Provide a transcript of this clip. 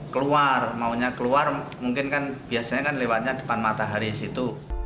keluar maunya keluar mungkin kan biasanya kan lewatnya depan matahari situ